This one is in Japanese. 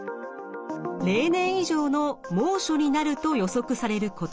例年以上の猛暑になると予測される今年。